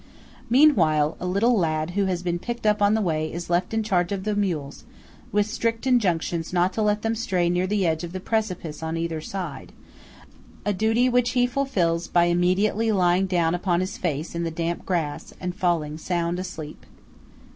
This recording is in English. Meanwhile, a little lad who has been picked up on the way is left in charge of the mules, with strict injuctions not to let them stray near the edge of the precipice on either side;–a duty which he fulfils by immediately lying down upon his face in the damp grass, and falling sound asleep.